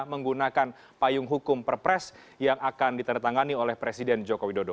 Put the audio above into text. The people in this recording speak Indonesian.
menggunakan payung hukum perpres yang akan ditandatangani oleh presiden joko widodo